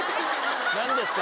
何ですか？